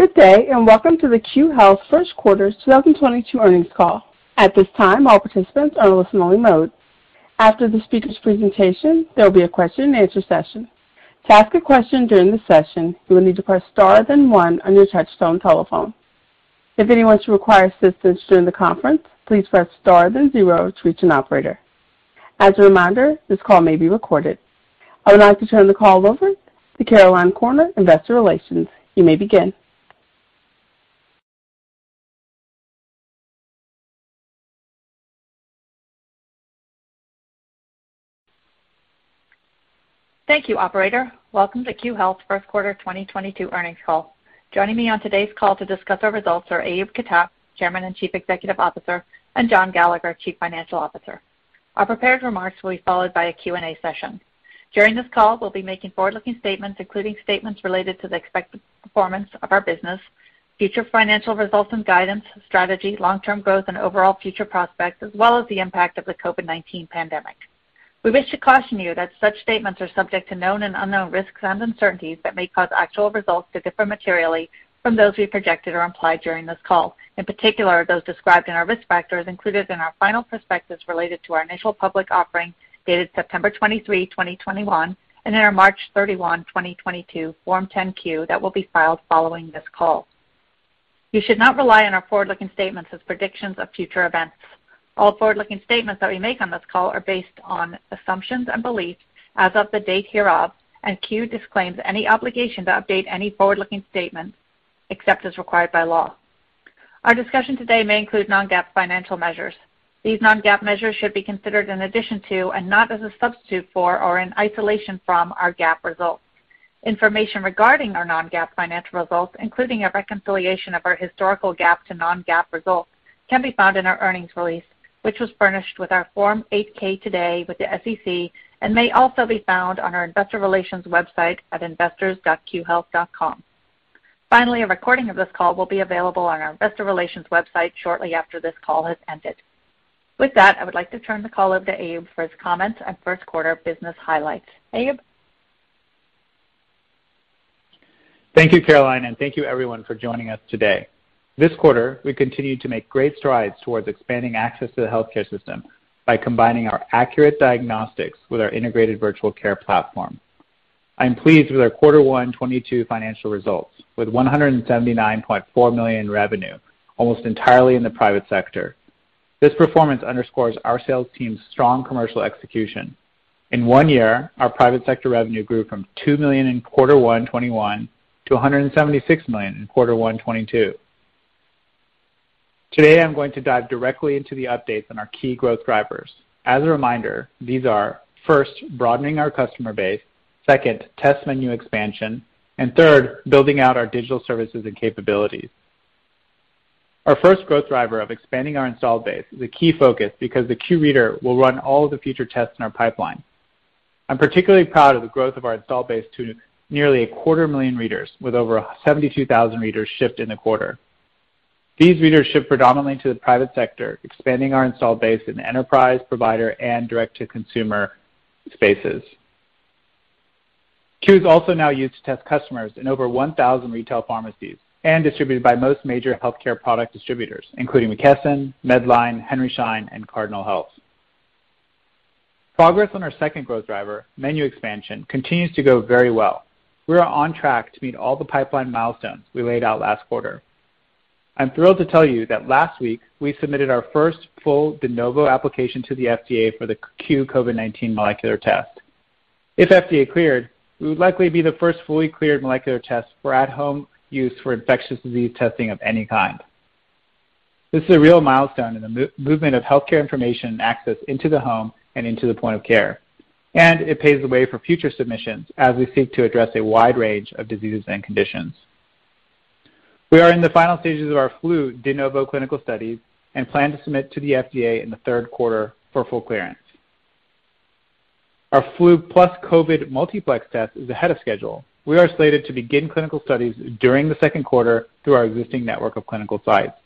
Good day, and welcome to the Cue Health First Quarter 2022 Earnings Call. At this time, all participants are in listen-only mode. After the speaker's presentation, there'll be a question and answer session. To ask a question during the session, you will need to press star then one on your touchtone telephone. If anyone should require assistance during the conference, please press star then zero to reach an operator. As a reminder, this call may be recorded. I would like to turn the call over to Caroline Corner, Investor Relations. You may begin. Thank you, operator. Welcome to Cue Health first quarter 2022 earnings call. Joining me on today's call to discuss our results are Ayub Khattak, Chairman and Chief Executive Officer, and John Gallagher, Chief Financial Officer. Our prepared remarks will be followed by a Q&A session. During this call, we'll be making forward-looking statements, including statements related to the expected performance of our business, future financial results and guidance, strategy, long-term growth, and overall future prospects, as well as the impact of the COVID-19 pandemic. We wish to caution you that such statements are subject to known and unknown risks and uncertainties that may cause actual results to differ materially from those we projected or implied during this call, in particular, those described in our risk factors included in our final prospectus related to our initial public offering dated September 23, 2021, and in our March 31, 2022 Form 10-Q that will be filed following this call. You should not rely on our forward-looking statements as predictions of future events. All forward-looking statements that we make on this call are based on assumptions and beliefs as of the date hereof, and Cue disclaims any obligation to update any forward-looking statements, except as required by law. Our discussion today may include non-GAAP financial measures. These non-GAAP measures should be considered in addition to and not as a substitute for or in isolation from our GAAP results. Information regarding our non-GAAP financial results, including a reconciliation of our historical GAAP to non-GAAP results, can be found in our earnings release, which was furnished with our Form 8-K today with the SEC and may also be found on our investor relations website at investors.cuehealth.com. Finally, a recording of this call will be available on our investor relations website shortly after this call has ended. With that, I would like to turn the call over to Ayub for his comments on first quarter business highlights. Ayub. Thank you, Caroline, and thank you everyone for joining us today. This quarter, we continued to make great strides toward expanding access to the healthcare system by combining our accurate diagnostics with our integrated virtual care platform. I'm pleased with our quarter 1 2022 financial results, with $179.4 million revenue, almost entirely in the private sector. This performance underscores our sales team's strong commercial execution. In one year, our private sector revenue grew from $2 million in quarter 1 2021 to $176 million in quarter 1 2022. Today, I'm going to dive directly into the updates on our key growth drivers. As a reminder, these are, first, broadening our customer base, second, test menu expansion, and third, building out our digital services and capabilities. Our first growth driver of expanding our installed base is a key focus because the Cue Reader will run all the future tests in our pipeline. I'm particularly proud of the growth of our installed base to nearly 250,000 readers, with over 72,000 readers shipped in the quarter. These readers ship predominantly to the private sector, expanding our installed base in enterprise, provider, and direct-to-consumer spaces. Cue is also now used to test customers in over 1,000 retail pharmacies and distributed by most major healthcare product distributors, including McKesson, Medline, Henry Schein, and Cardinal Health. Progress on our second growth driver, menu expansion, continues to go very well. We are on track to meet all the pipeline milestones we laid out last quarter. I'm thrilled to tell you that last week we submitted our first full De Novo application to the FDA for the Cue COVID-19 molecular test. If FDA cleared, we would likely be the first fully cleared molecular test for at home use for infectious disease testing of any kind. This is a real milestone in the movement of healthcare information and access into the home and into the point of care, and it paves the way for future submissions as we seek to address a wide range of diseases and conditions. We are in the final stages of our flu De Novo clinical studies and plan to submit to the FDA in the third quarter for full clearance. Our flu + COVID multiplex test is ahead of schedule. We are slated to begin clinical studies during the second quarter through our existing network of clinical sites.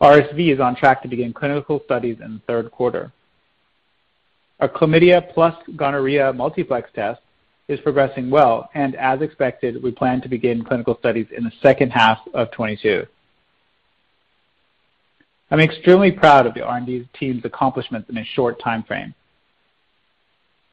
RSV is on track to begin clinical studies in the Q3. Our chlamydia plus gonorrhea multiplex test is progressing well, and as expected, we plan to begin clinical studies in the 2H of 2022. I'm extremely proud of the R&D team's accomplishments in a short timeframe.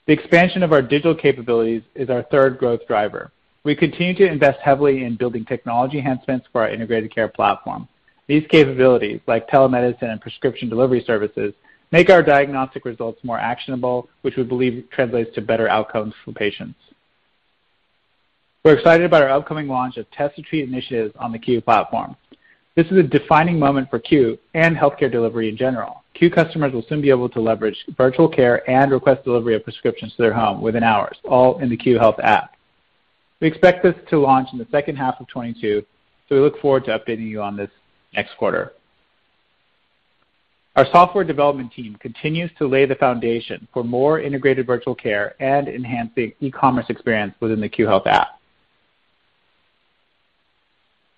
The expansion of our digital capabilities is our third growth driver. We continue to invest heavily in building technology enhancements for our integrated care platform. These capabilities, like telemedicine and prescription delivery services, make our diagnostic results more actionable, which we believe translates to better outcomes for patients. We're excited about our upcoming launch of test to treat initiatives on the Cue platform. This is a defining moment for Cue and healthcare delivery in general. Cue customers will soon be able to leverage virtual care and request delivery of prescriptions to their home within hours, all in the Cue Health App. We expect this to launch in the 2H of 2022, so we look forward to updating you on this next quarter. Our software development team continues to lay the foundation for more integrated virtual care and enhancing e-commerce experience within the Cue Health App.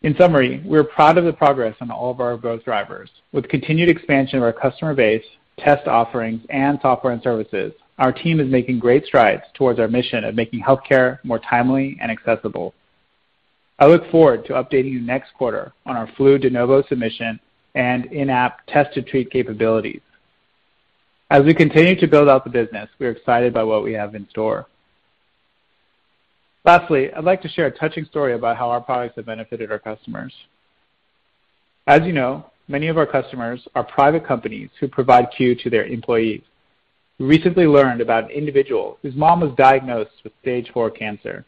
In summary, we're proud of the progress on all of our growth drivers. With continued expansion of our customer base, test offerings, and software and services, our team is making great strides towards our mission of making healthcare more timely and accessible. I look forward to updating you next quarter on our flu De Novo submission and in-app test-to-treat capabilities. As we continue to build out the business, we are excited by what we have in store. Lastly, I'd like to share a touching story about how our products have benefited our customers. As you know, many of our customers are private companies who provide Cue to their employees. We recently learned about an individual whose mom was diagnosed with stage four cancer.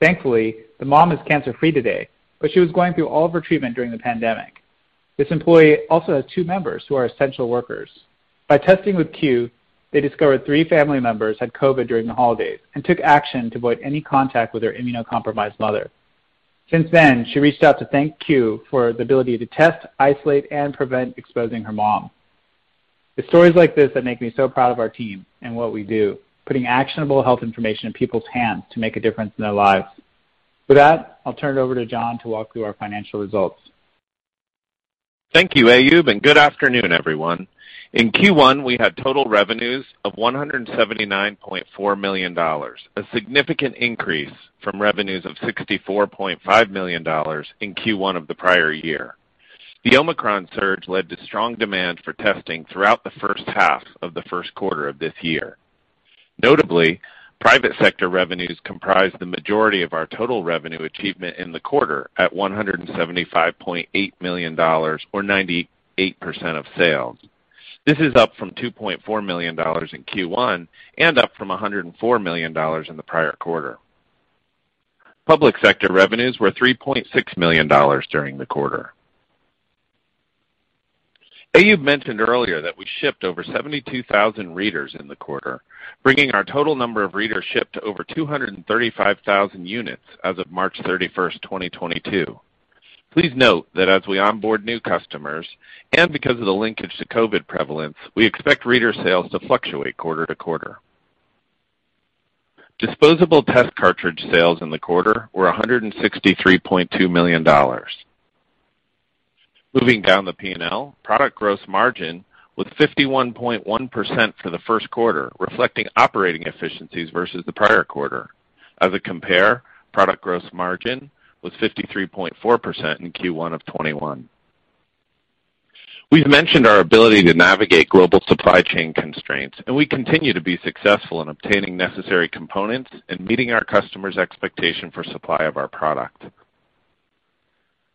Thankfully, the mom is cancer-free today, but she was going through all of her treatment during the pandemic. This employee also has two members who are essential workers. By testing with Cue, they discovered three family members had COVID during the holidays and took action to avoid any contact with their immunocompromised mother. Since then, she reached out to thank Cue for the ability to test, isolate, and prevent exposing her mom. It's stories like this that make me so proud of our team and what we do, putting actionable health information in people's hands to make a difference in their lives. With that, I'll turn it over to John to walk through our financial results. Thank you, Ayub, and good afternoon, everyone. In Q1, we had total revenues of $179.4 million, a significant increase from revenues of $64.5 million in Q1 of the prior year. The Omicron surge led to strong demand for testing throughout the 1H of the first quarter of this year. Notably, private sector revenues comprised the majority of our total revenue achievement in the quarter at $175.8 million or 98% of sales. This is up from $2.4 million in Q1 and up from $104 million in the prior quarter. Public sector revenues were $3.6 million during the quarter. Ayub mentioned earlier that we shipped over 72,000 readers in the quarter, bringing our total number of readers shipped to over 235,000 units as of March 31, 2022. Please note that as we onboard new customers, and because of the linkage to COVID prevalence, we expect reader sales to fluctuate quarter to quarter. Disposable test cartridge sales in the quarter were $163.2 million. Moving down the P&L, product gross margin was 51.1% for the Q1, reflecting operating efficiencies versus the prior quarter. As a comp, product gross margin was 53.4% in Q1 of 2021. We've mentioned our ability to navigate global supply chain constraints, and we continue to be successful in obtaining necessary components and meeting our customers' expectation for supply of our product.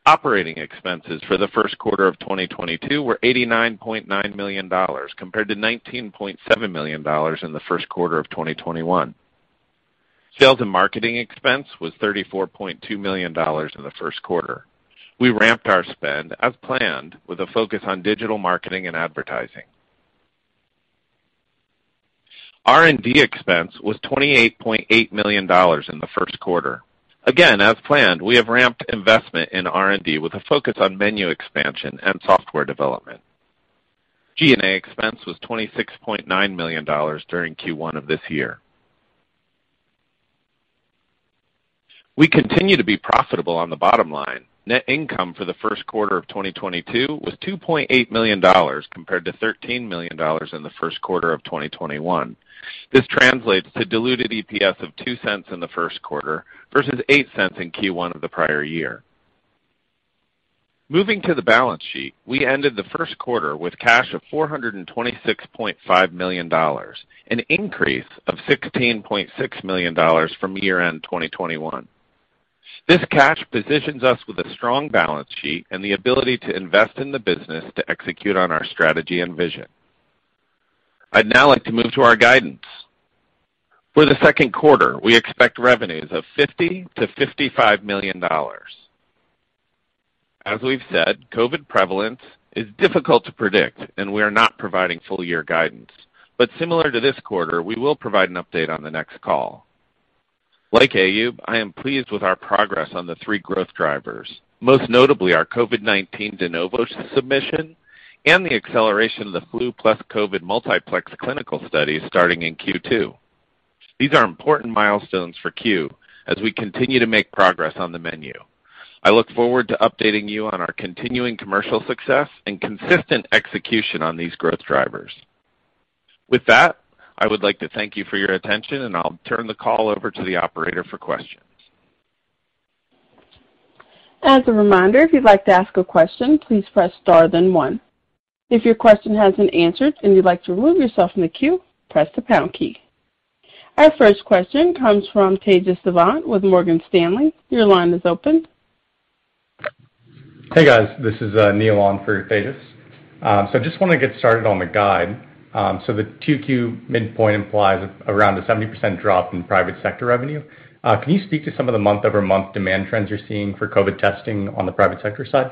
Operating expenses for the Q1 of 2022 were $89.9 million, compared to $19.7 million in the first quarter of 2021. Sales and marketing expense was $34.2 million in the Q1. We ramped our spend as planned with a focus on digital marketing and advertising. R&D expense was $28.8 million in the Q1. Again, as planned, we have ramped investment in R&D with a focus on menu expansion and software development. G&A expense was $26.9 million during Q1 of this year. We continue to be profitable on the bottom line. Net income for the Q1 of 2022 was $2.8 million, compared to $13 million in the Q1 of 2021. This translates to diluted EPS of $0.02 in the Q1 versus $0.08 in Q1 of the prior year. Moving to the balance sheet, we ended the first quarter with cash of $426.5 million, an increase of $16.6 million from year-end 2021. This cash positions us with a strong balance sheet and the ability to invest in the business to execute on our strategy and vision. I'd now like to move to our guidance. For the Q2, we expect revenues of $50-$55 million. As we've said, COVID prevalence is difficult to predict, and we are not providing full year guidance. Similar to this quarter, we will provide an update on the next call. Like Ayub, I am pleased with our progress on the three growth drivers, most notably our COVID-19 De Novo submission and the acceleration of the flu plus COVID multiplex clinical studies starting in Q2. These are important milestones for Cue as we continue to make progress on the menu. I look forward to updating you on our continuing commercial success and consistent execution on these growth drivers. With that, I would like to thank you for your attention, and I'll turn the call over to the operator for questions. As a reminder, if you'd like to ask a question, please press star then one. If your question has been answered and you'd like to remove yourself from the queue, press the pound key. Our first question comes from Tejas Savant with Morgan Stanley. Your line is open. Hey, guys. This is Neil on for Tejas. Just wanto to get started on the guide. The 2Q midpoint implies around a 70% drop in private sector revenue. Can you speak to some of the month-over-month demand trends you're seeing for COVID testing on the private sector side?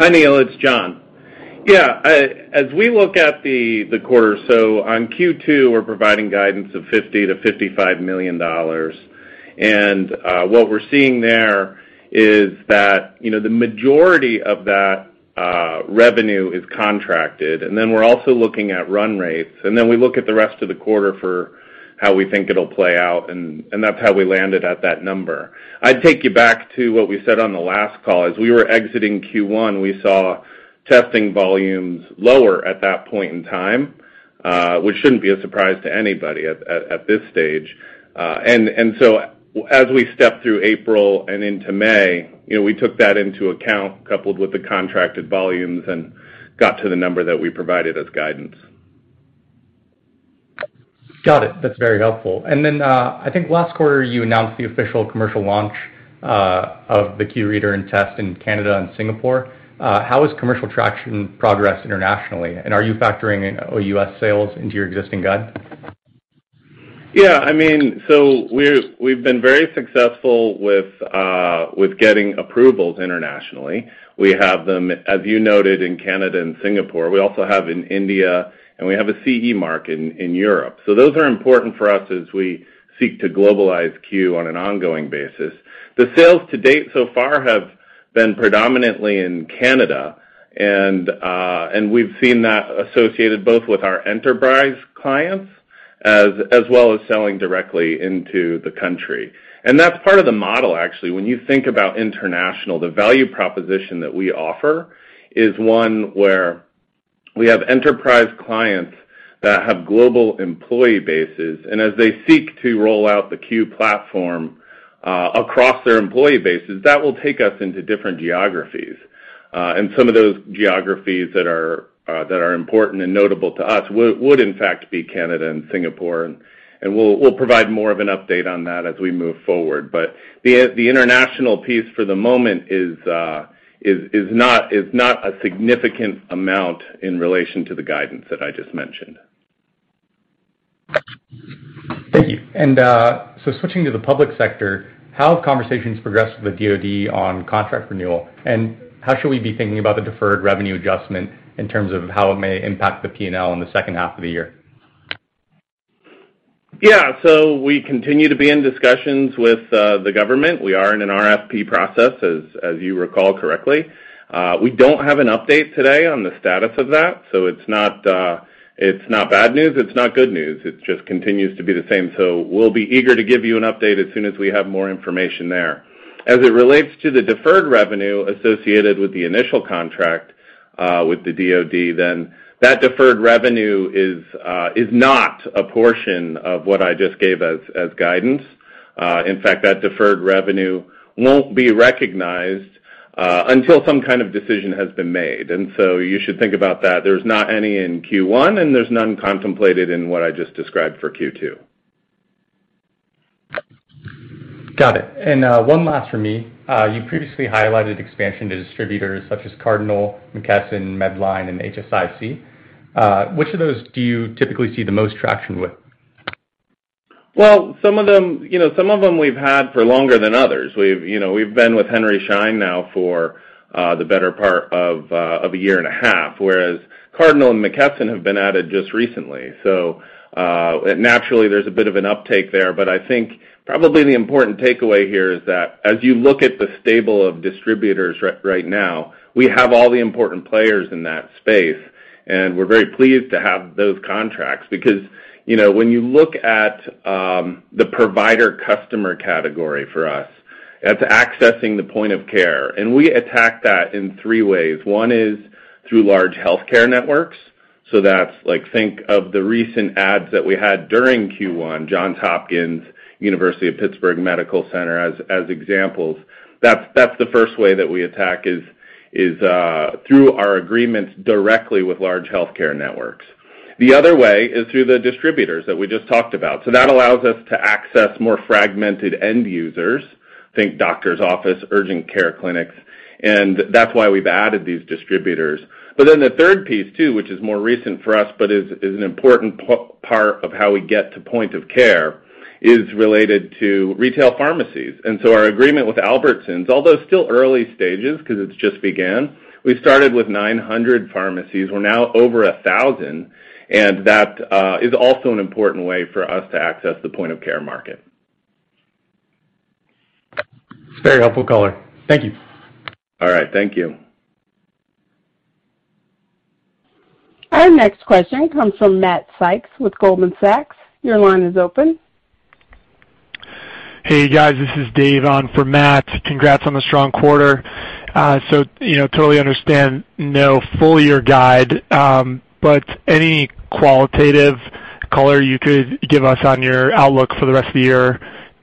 Hi, Neil. It's John. Yeah. As we look at the quarter, on Q2, we're providing guidance of $50 million-$55 million. What we're seeing there Is that, you know, the majority of that revenue is contracted, and then we're also looking at run rates, and then we look at the rest of the quarter for how we think it'll play out, and that's how we landed at that number. I'd take you back to what we said on the last call. As we were exiting Q1, we saw testing volumes lower at that point in time, which shouldn't be a surprise to anybody at this stage. As we step through April and into May, you know, we took that into account coupled with the contracted volumes and got to the number that we provided as guidance. Got it. That's very helpful. I think last quarter you announced the official commercial launch of the Cue Reader and Test in Canada and Singapore. How has commercial traction progressed internationally, and are you factoring in OUS sales into your existing guide? Yeah, I mean, we've been very successful with getting approvals internationally. We have them, as you noted, in Canada and Singapore. We also have in India, and we have a CE mark in Europe. Those are important for us as we seek to globalize Cue on an ongoing basis. The sales to date so far have been predominantly in Canada, and we've seen that associated both with our enterprise clients as well as selling directly into the country. That's part of the model actually. When you think about international, the value proposition that we offer is one where we have enterprise clients that have global employee bases, and as they seek to roll out the Cue platform across their employee bases, that will take us into different geographies. Some of those geographies that are important and notable to us would in fact be Canada and Singapore. We'll provide more of an update on that as we move forward. The international piece for the moment is not a significant amount in relation to the guidance that I just mentioned. Thank you. Switching to the public sector, how have conversations progressed with the DOD on contract renewal, and how should we be thinking about the deferred revenue adjustment in terms of how it may impact the P&L in the second half of the year? Yeah. We continue to be in discussions with the government. We are in an RFP process as you recall correctly. We don't have an update today on the status of that, so it's not bad news, it's not good news, it just continues to be the same. We'll be eager to give you an update as soon as we have more information there. As it relates to the deferred revenue associated with the initial contract with the DOD, then that deferred revenue is not a portion of what I just gave as guidance. In fact, that deferred revenue won't be recognized until some kind of decision has been made. You should think about that. There's not any in Q1, and there's none contemplated in what I just described for Q2. Got it. One last from me. You previously highlighted expansion to distributors such as Cardinal, McKesson, Medline, and HSIC. Which of those do you typically see the most traction with? Well, some of them, you know, we've had for longer than others. We've, you know, been with Henry Schein now for the better part of a year and a half, whereas Cardinal Health and McKesson have been added just recently. Naturally, there's a bit of an uptake there, but I think probably the important takeaway here is that as you look at the stable of distributors right now, we have all the important players in that space, and we're very pleased to have those contracts. Because, you know, when you look at the provider customer category for us, that's accessing the point of care, and we attack that in three ways. One is through large healthcare networks, so that's like, think of the recent adds that we had during Q1, Johns Hopkins, University of Pittsburgh Medical Center as examples. That's the first way that we attack is through our agreements directly with large healthcare networks. The other way is through the distributors that we just talked about, so that allows us to access more fragmented end users, think doctor's office, urgent care clinics, and that's why we've added these distributors. The third piece too, which is more recent for us but is an important part of how we get to point of care, is related to retail pharmacies. Our agreement with Albertsons, although still early stages 'cause it's just began, we started with 900 pharmacies, we're now over 1,000, and that is also an important way for us to access the point-of-care market. Very helpful color. Thank you. All right. Thank you. Our next question comes from Matt Sykes with Goldman Sachs. Your line is open. Hey, guys. This is Dave on for Matt. Congrats on the strong quarter. You know, totally understand no full year guide, but any qualitative color you could give us on your outlook for the rest of the year,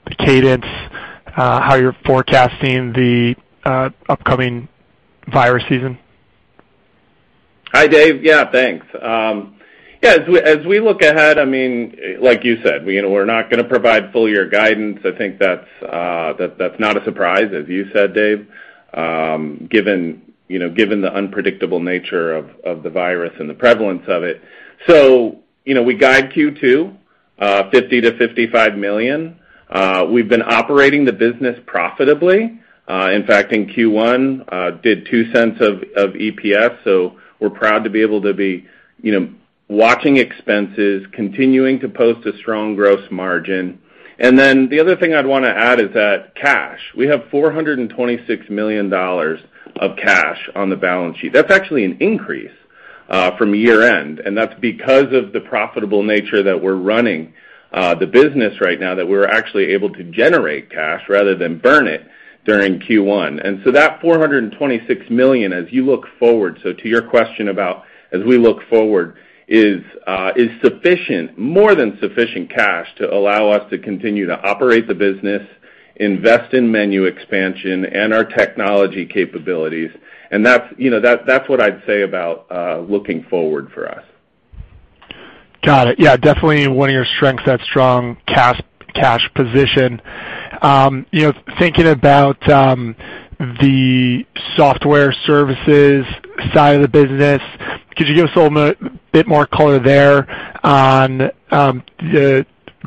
the cadence, how you're forecasting the upcoming virus season? Hi, Dave. Yeah, thanks. Yeah, as we look ahead, I mean, like you said, you know, we're not going to provide full year guidance. I think that's not a surprise, as you said, Dave, given the unpredictable nature of the virus and the prevalence of it. You know, we guide Q2 $50-$55 million. We've been operating the business profitably. In fact, in Q1, did $0.02 of EPS, so we're proud to be able to, you know, watch expenses, continuing to post a strong gross margin. The other thing I'd wanto to add is that cash. We have $426 million of cash on the balance sheet. That's actually an increase from year-end, and that's because of the profitable nature that we're running the business right now that we're actually able to generate cash rather than burn it during Q1. That $426 million, as you look forward, so to your question about as we look forward, is sufficient, more than sufficient cash to allow us to continue to operate the business, invest in menu expansion and our technology capabilities. That's, you know, what I'd say about looking forward for us. Got it. Yeah, definitely one of your strengths, that strong cash position. You know, thinking about the software services side of the business, could you give us a little bit more color there on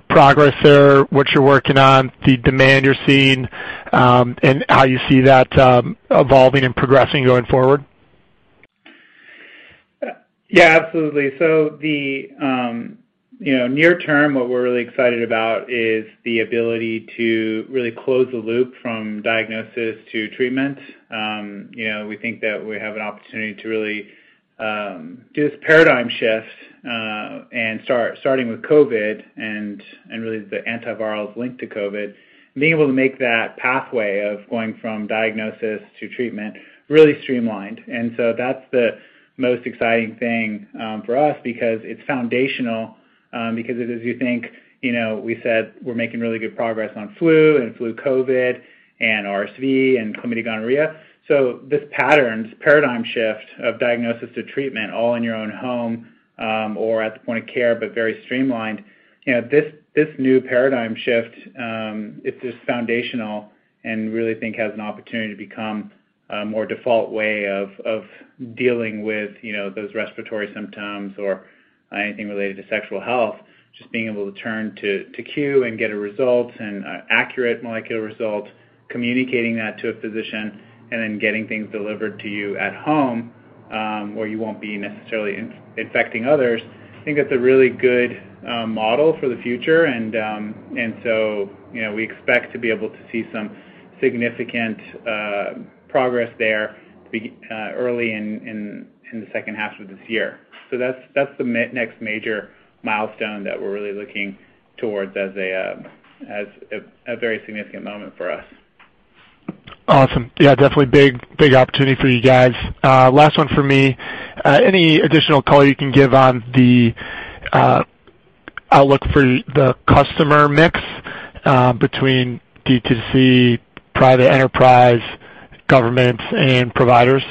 progress there, what you're working on, the demand you're seeing, and how you see that evolving and progressing going forward? Yeah, absolutely. The near term, you know, what we're really excited about is the ability to really close the loop from diagnosis to treatment. You know, we think that we have an opportunity to really do this paradigm shift, and starting with COVID and really the antivirals linked to COVID, and being able to make that pathway of going from diagnosis to treatment really streamlined. That's the most exciting thing for us because it's foundational, because as you think, you know, we said we're making really good progress on flu and flu COVID and RSV and chlamydia gonorrhea. This pattern's paradigm shift of diagnosis to treatment all in your own home, or at the point of care, but very streamlined, you know, this new paradigm shift, it is foundational and really think has an opportunity to become a more default way of dealing with, you know, those respiratory symptoms or anything related to sexual health, just being able to turn to Cue and get a result and accurate molecular results, communicating that to a physician and then getting things delivered to you at home, where you won't be necessarily infecting others. I think that's a really good model for the future. You know, we expect to be able to see some significant progress there early in the second half of this year. That's the next major milestone that we're really looking towards as a very significant moment for us. Awesome. Yeah, definitely big, big opportunity for you guys. Last one for me. Any additional color you can give on the outlook for the customer mix between D2C, private enterprise, government, and providers?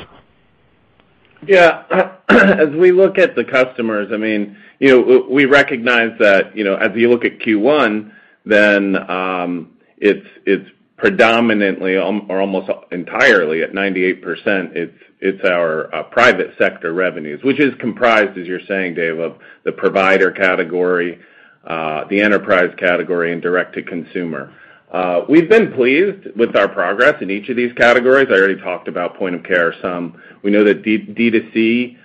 Yeah. As we look at the customers, I mean, you know, we recognize that, you know, as you look at Q1, then, it's predominantly or almost entirely at 98%, it's our private sector revenues, which is comprised, as you're saying, Dave, of the provider category, the enterprise category, and direct to consumer. We've been pleased with our progress in each of these categories. I already talked about point of care some. We know that D2C.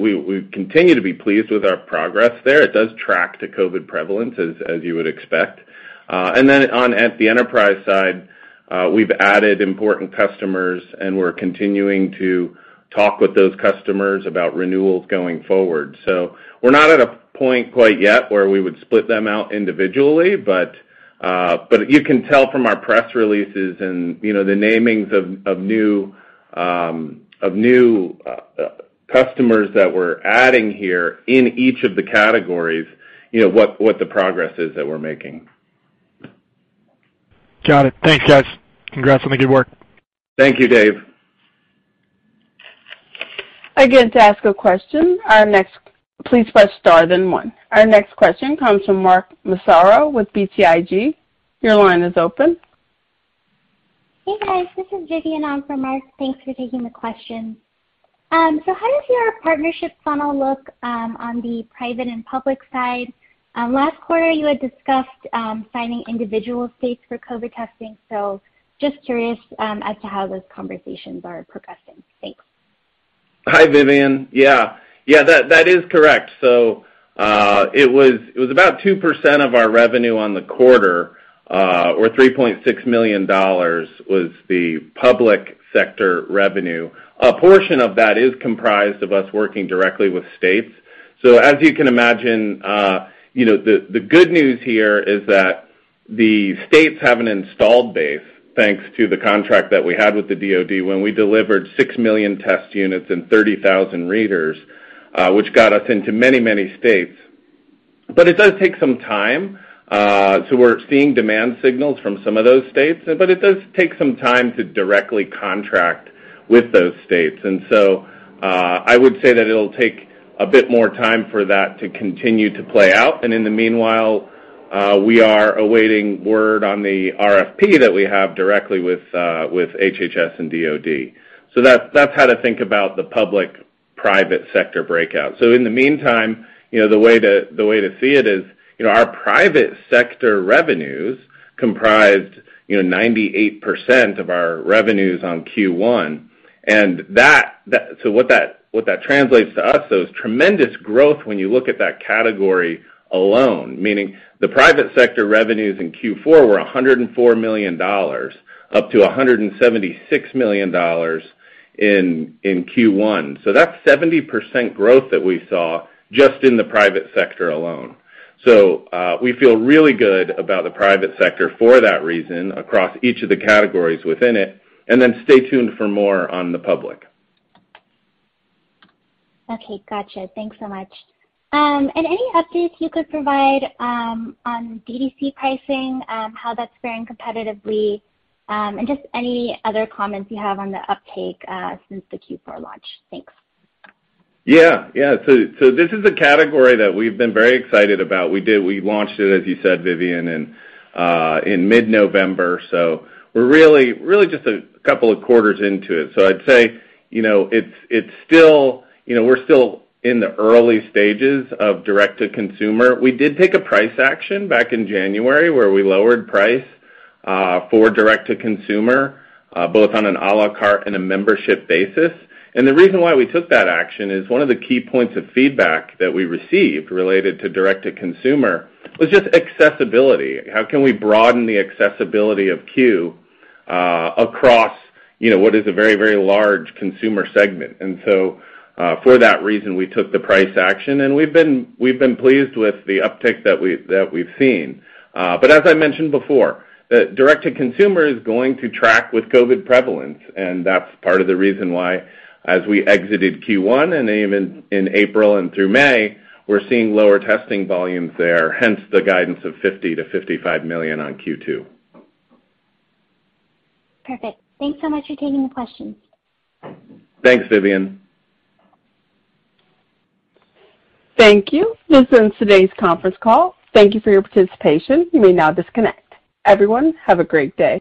We continue to be pleased with our progress there. It does track to COVID prevalence as you would expect. On the enterprise side, we've added important customers, and we're continuing to talk with those customers about renewals going forward. We're not at a point quite yet where we would split them out individually, but you can tell from our press releases and, you know, the namings of new customers that we're adding here in each of the categories, you know, what the progress is that we're making. Got it. Thanks, guys. Congrats on the good work. Thank you, Dave. Again, to ask a question, please press star then 1. Our next question comes from Mark Massaro with BTIG. Your line is open. Hey, guys. This is Vivian on for Mark. Thanks for taking the question. How does your partnership funnel look on the private and public side? Last quarter, you had discussed signing individual states for COVID testing. Just curious as to how those conversations are progressing. Thanks. Hi, Vivian. Yeah. That is correct. It was about 2% of our revenue on the quarter, or $3.6 million was the public sector revenue. A portion of that is comprised of us working directly with states. As you can imagine, you know, the good news here is that the states have an installed base, thanks to the contract that we had with the DOD, when we delivered 6 million test units and 30,000 readers, which got us into many states. It does take some time, so we're seeing demand signals from some of those states, but it does take some time to directly contract with those states. I would say that it'll take a bit more time for that to continue to play out. In the meanwhile, we are awaiting word on the RFP that we have directly with HHS and DOD. That's how to think about the public-private sector breakout. In the meantime, you know, the way to see it is, you know, our private sector revenues comprised you know, 98% of our revenues in Q1. That so what that translates to us, though, is tremendous growth when you look at that category alone. Meaning the private sector revenues in Q4 were $104 million, up to $176 million in Q1. That's 70% growth that we saw just in the private sector alone. We feel really good about the private sector for that reason across each of the categories within it, and then stay tuned for more on the public. Okay. Gotcha. Thanks so much. Any updates you could provide on D2C pricing, how that's faring competitively, and just any other comments you have on the uptake since the Q4 launch? Thanks. Yeah. Yeah. So this is a category that we've been very excited about. We did, we launched it, as you said, Vivian, in mid-November, so we're really just a couple of quarters into it. I'd say, you know, it's still, you know, we're still in the early stages of direct-to-consumer. We did take a price action back in January, where we lowered price for direct-to-consumer, both on an à la carte and a membership basis. The reason why we took that action is one of the key points of feedback that we received related to direct-to-consumer was just accessibility. How can we broaden the accessibility of Cue across, you know, what is a very large consumer segment? For that reason, we took the price action, and we've been pleased with the uptick that we've seen. As I mentioned before, the direct-to-consumer is going to track with COVID prevalence, and that's part of the reason why as we exited Q1 and even in April and through May, we're seeing lower testing volumes there, hence the guidance of $50-$55 million on Q2. Perfect. Thanks so much for taking the questions. Thanks, Vivian. Thank you. This ends today's conference call. Thank you for your participation. You may now disconnect. Everyone, have a great day.